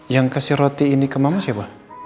yang kasih roti ini ke mama siapa